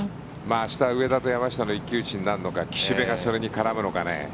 明日上田と山下の一騎打ちになるのか岸部がそれに絡むのかね。